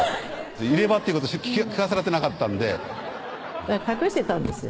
入れ歯ってこと聞かされてなかったんで隠してたんですよ